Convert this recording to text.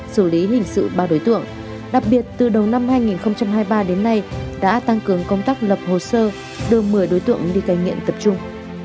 xử lý hình sự ba đối tượng đặc biệt từ đầu năm hai nghìn hai mươi ba đến nay đã tăng cường công tác lập hồ sơ đưa một mươi đối tượng đi cai nghiện tập trung